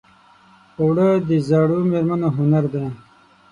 اوړه د زړو مېرمنو هنر دی